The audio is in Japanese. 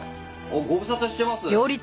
ご無沙汰してます。